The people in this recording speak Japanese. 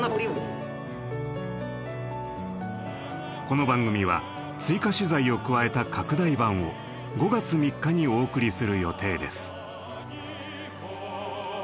この番組は追加取材を加えた拡大版を５月３日にお送りする予定です。